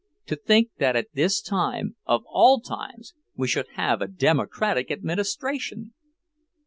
To think that at this time, of all times, we should have a Democratic administration!"